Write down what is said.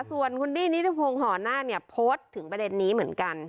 ส่วนคุณลีนิทธิพงษ์ห่อหน้าโพสถึงประเด็นนี้เหมือนกัน